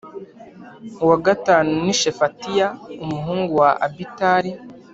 uwa gatanu ni Shefatiya umuhungu wa Abitali